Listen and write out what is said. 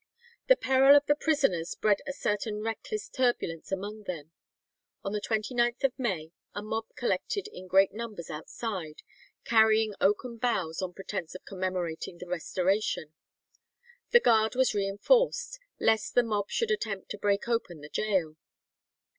The peril of the prisoners bred a certain reckless turbulence among them. On the 29th May a mob collected in great numbers outside, carrying oaken boughs on pretence of commemorating the restoration. The guard was reinforced, lest the mob should attempt to break open the gaol.